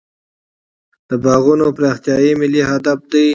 د باغونو پراختیا ملي هدف دی.